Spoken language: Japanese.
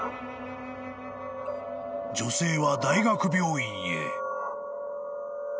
［女性は大学病院へ］